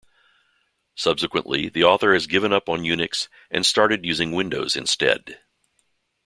Subsequently the author has given up on Unix and started using Windows instead.